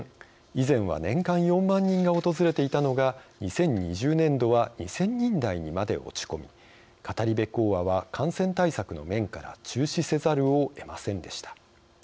以前は年間４万人が訪れていたのが２０２０年度は２０００人台にまで落ち込み語り部講話は感染対策の面から中止せざるをえませんでした。